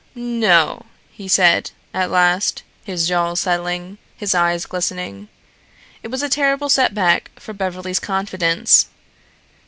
"No!" he said, at last, his jaws settling, his eyes glistening. It was a terrible setback for Beverly's confidence.